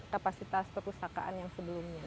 kapasitas perpustakaan yang sebelumnya